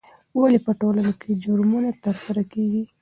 ولې په ټولنه کې جرمونه ترسره کیږي؟